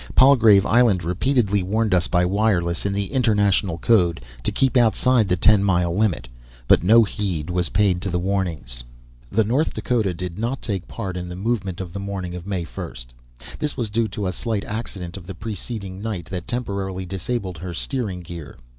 Palgrave Island repeatedly warned us, by wireless, in the international code, to keep outside the ten mile limit; but no heed was paid to the warnings. "The North Dakota did not take part in the movement of the morning of May 1. This was due to a slight accident of the preceding night that temporarily disabled her steering gear.